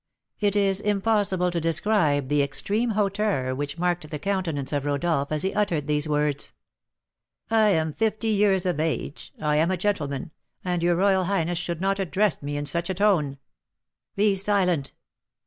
It is impossible to describe the extreme hauteur which marked the countenance of Rodolph as he uttered these words. "I am fifty years of age, I am a gentleman, and your royal highness should not address me in such a tone." "Be silent!"